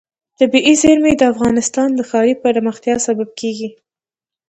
طبیعي زیرمې د افغانستان د ښاري پراختیا سبب کېږي.